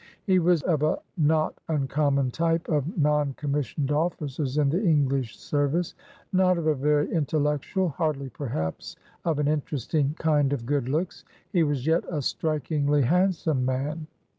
He was of a not uncommon type of non commissioned officers in the English service. Not of a very intellectual—hardly perhaps of an interesting—kind of good looks, he was yet a strikingly handsome man.